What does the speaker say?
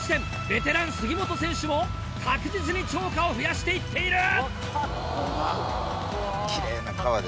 ベテラン杉本選手も確実に釣果を増やしていっている！